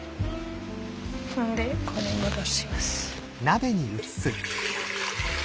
それでこれ戻します。